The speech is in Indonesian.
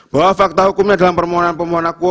bahwa fakta hukumnya dalam permohonan pemohon aku